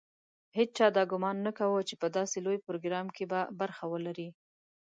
هېچا دا ګومان نه کاوه چې په داسې لوی پروګرام کې به برخه ولري.